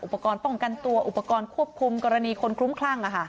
อุปกรณ์ป้องกันตัวอุปกรณ์ควบคุมกรณีคนคลุ้มคลั่ง